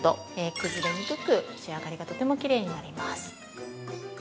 崩れにくく、仕上がりがとてもきれいになります。